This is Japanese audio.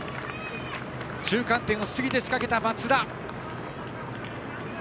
中間点を過ぎて仕掛けた松田。